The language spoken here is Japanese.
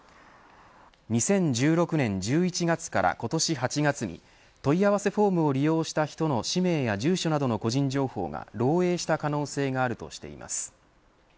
２０１６年１１月から今年８月に問い合わせフォームを利用した人の氏名や住所などの個人情報が漏えいした可能性があるとしています。